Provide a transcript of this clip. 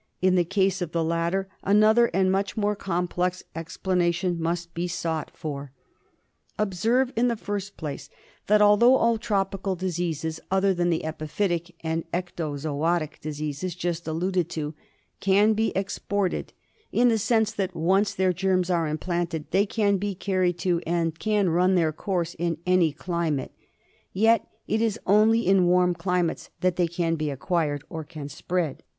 In the case of the latter another and much more complex explanation must be sought for. ^ OF TROPICAL DISEASES. 1 3 Observe, in the first place, that although all tropical diseases, other than the epiphytic and ectozoic diseases just alluded to, can be exported in the sense that once their germs are implanted they can be carried to and can run their course in any climate, yet it is only in warm climates that they can be acquired or can spread.